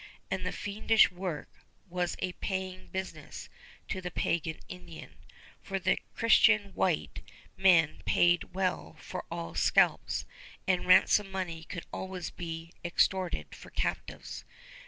And the fiendish work was a paying business to the pagan Indian; for the Christian white men paid well for all scalps, and ransom money could always be extorted for captives.